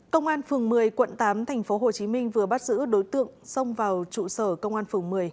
công an phường một mươi quận tám tp hcm vừa bắt giữ đối tượng xông vào trụ sở công an phường một mươi